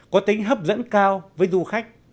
có tính hấp dẫn cao với du khách